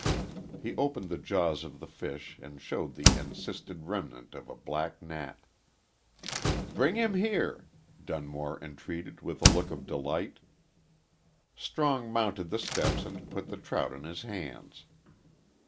He opened the jaws of the fish and showed the encysted remnant of a black gnat. "Bring him here," Dunmore entreated, with a look of delight. Strong mounted the steps and put the trout in his hands.